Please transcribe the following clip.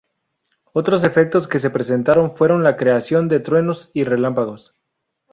Otros efectos que se presentaron fueron la creación de truenos y relámpagos.